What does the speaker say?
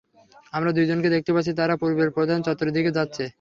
আমরা দুইজনকে দেখতে পাচ্ছি তারা পুর্বের প্রধান চত্বরের দিকে যাচ্ছে।